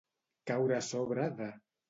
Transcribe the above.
Caure sobre de.